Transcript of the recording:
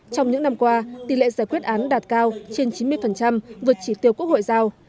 trong những năm qua tỷ lệ giải quyết án đạt cao trên chín mươi vượt chỉ tiêu quốc hội giao